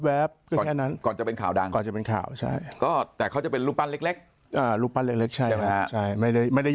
เจออีกทีก็วันที่เป็นข่าวที่ติดสะพานรอย